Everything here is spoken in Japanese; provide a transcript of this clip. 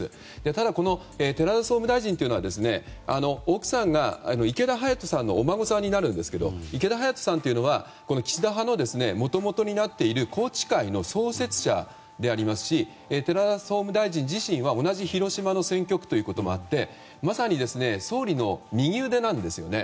ただ、この寺田総務大臣は奥さんが池田勇人さんのお孫さんになるんですけど池田勇人さんというのは岸田派のもともとになっている宏池会の創設者でありますし寺田総務大臣自身は、同じ広島の選挙区ということもあってまさに総理の右腕なんですよね。